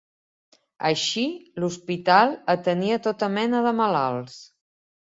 Així, l'hospital atenia tota mena de malalts.